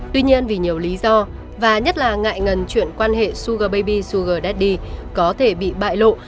tuy nhiên vì nhiều lý do và nhất là ngại ngần chuyện quan hệ sugar baby sugar daddy có thể bị bại lộ